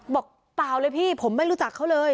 เปล่าเลยพี่ผมไม่รู้จักเขาเลย